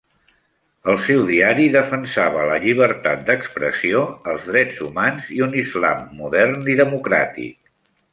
El seu diari defensava la llibertat d'expressió, els drets humans i un Islam modern i democràtic.